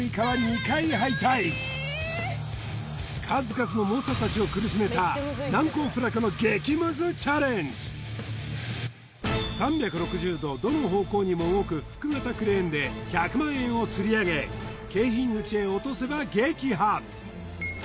数々の猛者たちを苦しめた３６０度どの方向にも動くフック型クレーンで１００万円をつり上げ景品口へ落とせば撃破！